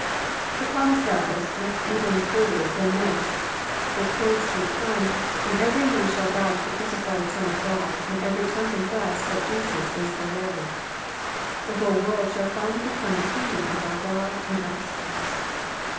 The promise doubtless looks even further than this. It points to a time when every knee shall bow to the crucified Son of God, and every tongue confess that Jesus Is the Lord. The whole world shall finally become the kingdom of our God and of His Christ.